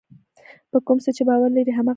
په کوم څه چې باور لرئ هماغه کوئ.